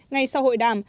ngày sau hội đại